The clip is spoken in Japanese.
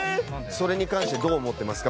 それに関してどう思ってますか？